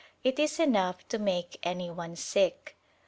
It is enough to make any one sick.